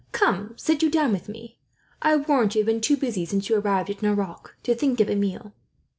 Come, sit you down with me. I warrant you have been too busy, since you arrived at Nerac, to think of a meal."